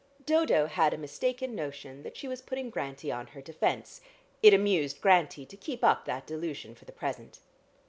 Dodo had a mistaken notion that she was putting Grantie on her defence. It amused Grantie to keep up that delusion for the present.